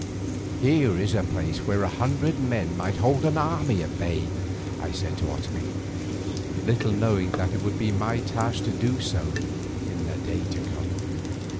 "Here is a place where a hundred men might hold an army at bay," I said to Otomie, little knowing that it would be my task to do so in a day to come.